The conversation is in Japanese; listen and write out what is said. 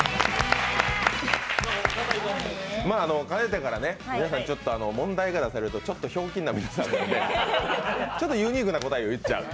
かねてから、問題が出されるとちょっとひょうきんな答えになるのでちょっとユニークな答えを言っちゃう。